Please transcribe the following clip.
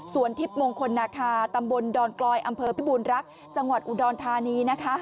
ส่วนทิพย์มงคลนาคาตำบลดอนกลอยอำเภอพิบูรณรักษ์จังหวัดอุดรธานีนะคะ